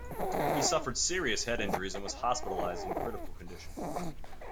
He suffered serious head injuries and was hospitalized in critical condition.